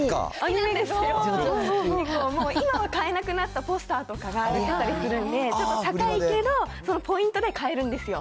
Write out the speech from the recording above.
結構もう、今は買えなくなったポスターとかがあったりするんで、ちょっと高いけど、そのポイントで買えるんですよ。